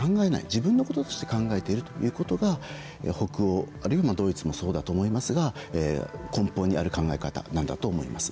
自分のこととして考えているということが北欧、あるいはドイツもそうだと思いますが根本にある考え方なんだと思います。